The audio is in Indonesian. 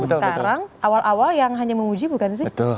saya baru selesai cuti melahirkan